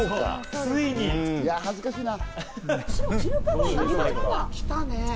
いや、恥ずかしいな。